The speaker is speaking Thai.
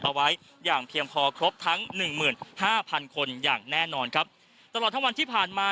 เอาไว้อย่างเพียงพอครบทั้งหนึ่งหมื่นห้าพันคนอย่างแน่นอนครับตลอดทั้งวันที่ผ่านมา